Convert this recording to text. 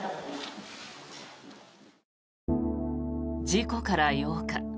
事故から８日。